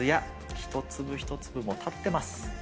一粒一粒立ってます。